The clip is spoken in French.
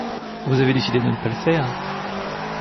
Vous avez décidé de ne pas le faire.